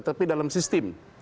tapi dalam sistem